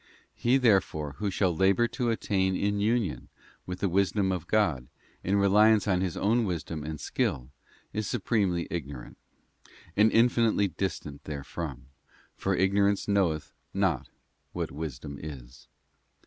'* He, therefore, who shall labour to attain to union with the Wisdom of God, in reliance on his own wisdom and skill, is supremely ignorant, and infinitely distant therefrom : for ignorance knoweth not what wisdom is.